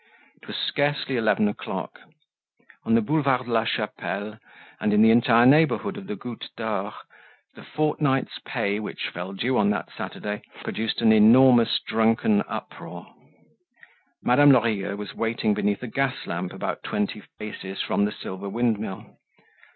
It was scarcely eleven o'clock. On the Boulevard de la Chapelle, and in the entire neighborhood of the Goutte d'Or, the fortnight's pay, which fell due on that Saturday, produced an enormous drunken uproar. Madame Lorilleux was waiting beneath a gas lamp about twenty paces from the Silver Windmill.